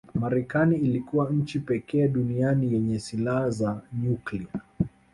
Marekani ilikuwa nchi pekee duniani yenye silaha za nyuklia